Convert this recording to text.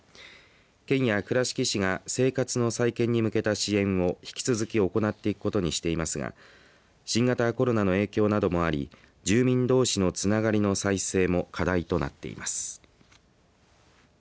県や倉敷市が生活の再建に向けた支援を引き続き行っていくことにしていますが新型コロナの影響などもあり住民どうしのつながりの再生も課題となっています。